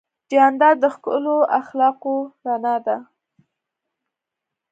جانداد د ښکلو اخلاقو رڼا ده.